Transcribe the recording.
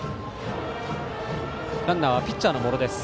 ランナーはピッチャーの茂呂。